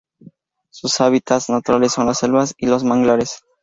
Sus hábitats naturales son las selvas y los manglares.